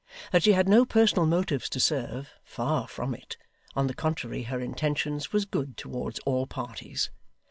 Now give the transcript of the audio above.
That she had no personal motives to serve far from it on the contrary, her intentions was good towards all parties.